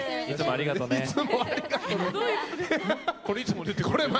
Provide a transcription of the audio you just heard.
ありがとうございます。